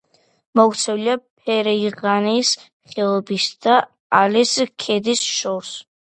მოქცეულია ფერღანის ხეობისა და ალაის ქედს შორის.